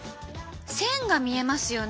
線が見えますよね。